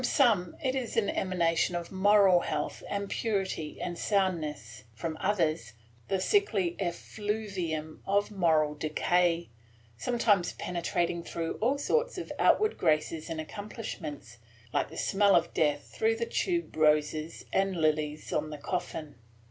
From some it was an emanation of moral health and purity and soundness; from others, the sickly effluvium of moral decay, sometimes penetrating through all sorts of outward graces and accomplishments, like the smell of death though the tube roses and lilies on the coffin.